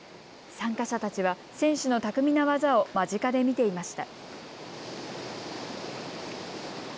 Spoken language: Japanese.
参加者たちは選手の巧みな技を間近で見ていました。